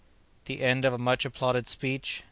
The End of a much applauded Speech.